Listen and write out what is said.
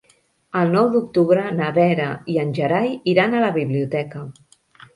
El nou d'octubre na Vera i en Gerai iran a la biblioteca.